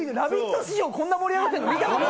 史上こんなに盛り上がってるの見たことない。